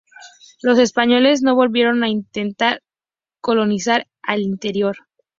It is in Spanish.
Los españoles no volvieron a intentar colonizar el interior.